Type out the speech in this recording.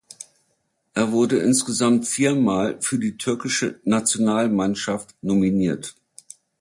Er wurde insgesamt viermal für die türkische Nationalmannschaft nominiert.